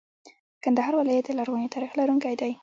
کندهار ولایت د لرغوني تاریخ لرونکی دی.